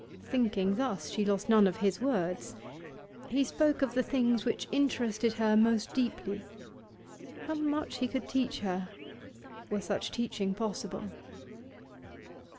Thinking thus, she lost none of his words. He spoke of the things which interested her most deeply; how much he could teach her, were such teaching possible!